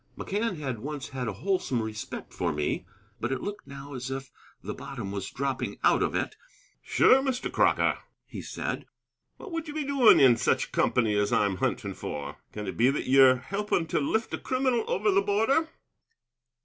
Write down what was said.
McCann had once had a wholesome respect for me. But it looked now as if the bottom was dropping out of it. "Sure, Mr. Crocker," he said, "what would you be doing in such company as I'm hunting for? Can it be that ye're helping to lift a criminal over the border?"